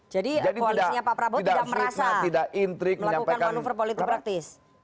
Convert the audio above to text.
jadi koalisinya pak prabowo tidak merasa melakukan manuver politik praktis